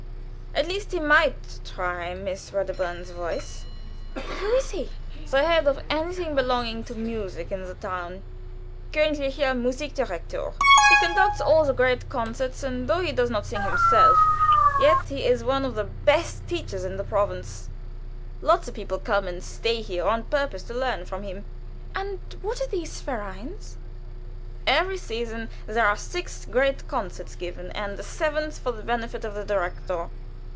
At least he might try Miss Wedderburn's voice." "Who is he?" "The head of anything belonging to music in the town königlicher musik direktor. He conducts all the great concerts, and though he does not sing himself, yet he is one of the best teachers in the province. Lots of people come and stay here on purpose to learn from him." "And what are these vereins?" "Every season there are six great concerts given, and a seventh for the benefit of the direktor.